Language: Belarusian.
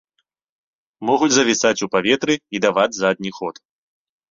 Могуць завісаць у паветры і даваць задні ход.